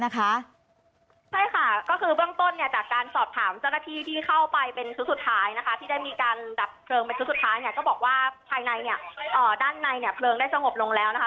ก็บอกว่าภายในเนี่ยอ่อด้านในเนี่ยเพลิงได้สงบลงแล้วนะคะ